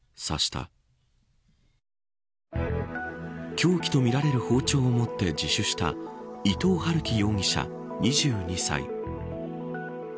凶器とみられる包丁を持って自首した伊藤龍稀容疑者２２歳。